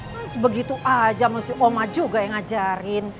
mas begitu aja masih oma juga yang ngajarin